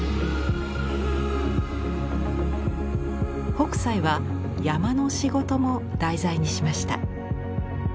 北斎は山の仕事も題材にしました。